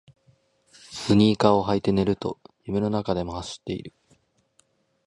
スニーカーを履いて寝ると夢の中でも走っている